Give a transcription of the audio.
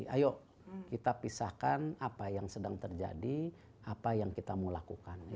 ayo kita pisahkan apa yang sedang terjadi apa yang kita mau lakukan